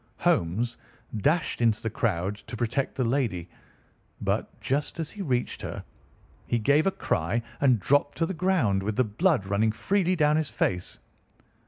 Holmes dashed into the crowd to protect the lady; but, just as he reached her, he gave a cry and dropped to the ground, with the blood running freely down his face.